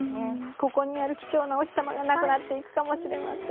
ここにある貴重なお日様がなくなっていくかもしれません。